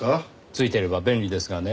ついていれば便利ですがね。